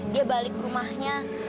dia balik rumahnya